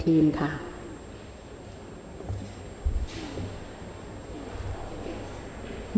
ติดตามคิว